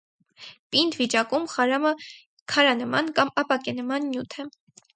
Պինդ վիճակում խարամը քարանման կամ ապակենման նյութ է։